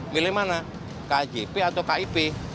milih mana kjp atau kip